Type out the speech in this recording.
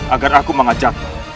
agar aku mengajakmu